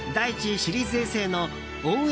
シリーズ衛星の応援